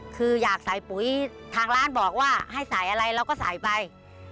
คืออยากใส่ปุ๋ยทางร้านบอกว่าให้ใส่อะไรเราก็ใส่ไป